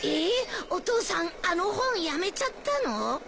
お父さんあの本やめちゃったの？